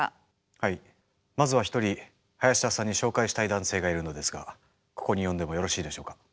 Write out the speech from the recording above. はいまずは一人林田さんに紹介したい男性がいるのですがここに呼んでもよろしいでしょうか？